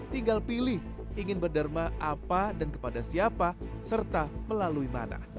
tinggal pilih ingin berderma apa dan kepada siapa serta melalui mana